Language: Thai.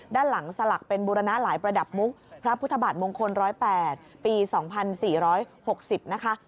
ด้านหลังสลักเป็นบุรณะหลายประดับมุกพระพุทธบาทมงคล๑๐๘ปี๒๔๖๐นะคะ